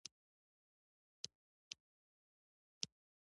عثمان جان باچا په خپل چورت کې و او یې فکر کاوه.